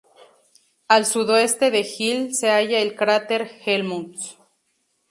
Al sudoeste de Gill se halla el cráter Helmholtz.